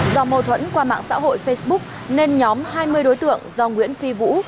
do mâu thuẫn qua mạng xã hội facebook nên nhóm hai mươi đối tượng do nguyễn phi vũ